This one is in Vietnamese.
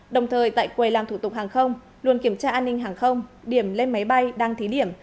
đồng thời tại quầy làm thủ tục hàng không luôn kiểm tra an ninh hàng không điểm lên máy bay đang thí điểm